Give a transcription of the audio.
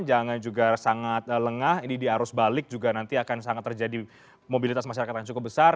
jangan juga sangat lengah ini di arus balik juga nanti akan sangat terjadi mobilitas masyarakat yang cukup besar